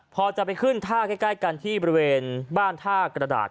พอจะไปขึ้นท่าใกล้กันที่บริเวณบ้านท่ากระดาษ